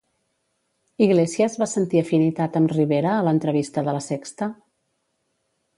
Iglesias va sentir afinitat amb Rivera a l'entrevista de La Sexta?